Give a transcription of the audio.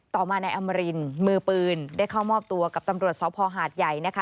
ต่อมานายอมรินมือปืนได้เข้ามอบตัวกับตำรวจสภหาดใหญ่นะคะ